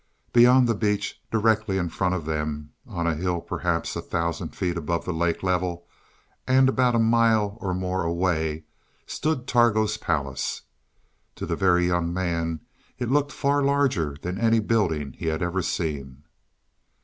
Beyond the beach, directly in front of them on a hill perhaps a thousand feet above the lake level, and about a mile or more away, stood Targo's palace. To the Very Young Man it looked far larger than any building he had ever seen.